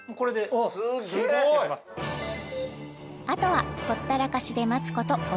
あとはほったらかしで待つこと